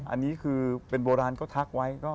อันนี้คือเป็นโบราณเขาทักไว้